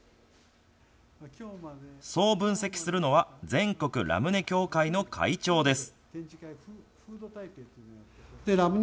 そう分析するのは全国ラムネ協会の会長です。